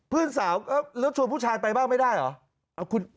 เพื่อนสาวแล้วชวนผู้ชายไปบ้างไม่ได้เหรอ